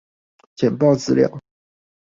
簡報資料